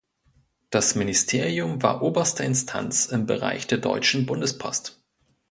Das Ministerium war oberste Instanz im Bereich der Deutschen Bundespost.